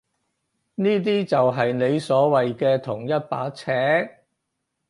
呢啲就係你所謂嘅同一把尺？